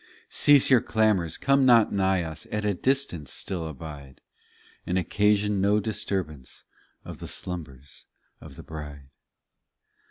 Cease your clamours, come not nigh us, At a distance still abide, And occasion no disturbance Of the slumbers of the bride.